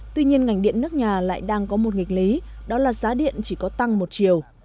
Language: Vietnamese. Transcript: tuy nhiên ngành điện nước nhà lại đang có một nghịch lý đó là giá điện chỉ có tăng một chiều